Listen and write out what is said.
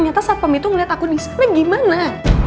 tapi ternyata satpam itu melihat aku di sana gimana